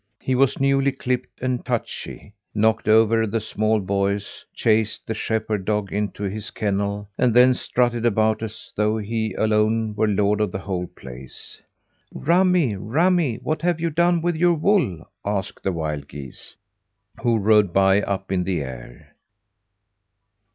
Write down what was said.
He was newly clipped and touchy, knocked over the small boys, chased the shepherd dog into his kennel, and then strutted about as though he alone were lord of the whole place. "Rammie, rammie, what have you done with your wool?" asked the wild geese, who rode by up in the air.